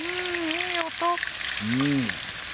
いい音。